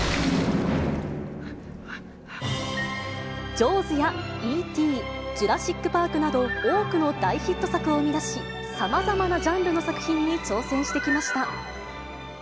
ジョーズやＥ．Ｔ．、ジュラシック・パークなど、多くの大ヒット作を生み出し、さまざまなジャンルの作品に挑戦してきました。